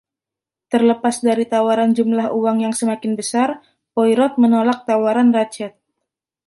Terlepas dari tawaran jumlah uang yang semakin besar, Poirot menolak tawaran Ratchett.